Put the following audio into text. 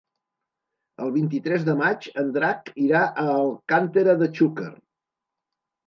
El vint-i-tres de maig en Drac irà a Alcàntera de Xúquer.